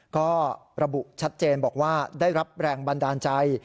ก็ระบุชัดเจนบอกว่าได้รับแรงบันดาลใจ